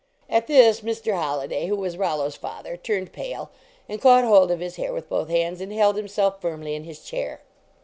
At this Mr. Holliday, who was Rollo s father, turned pale and caught hold of his hair with both hands, and held himself firmly in his chair.